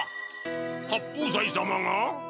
八方斎様が？